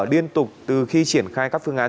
điên tục từ khi triển khai các phương án